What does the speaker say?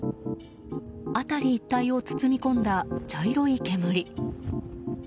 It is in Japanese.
辺り一帯を包み込んだ茶色い煙。